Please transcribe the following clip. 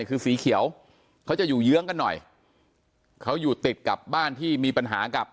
คือสีเขียวเขาจะอยู่เยื้องกันหน่อยเขาอยู่ติดกับบ้านที่มีปัญหากับ